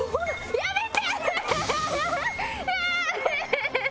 やめて。